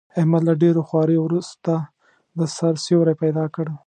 احمد له ډېرو خواریو ورسته، د سر سیوری پیدا کړ.